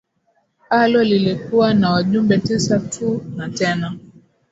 alo lilikuwa na wajumbe tisa tu na tena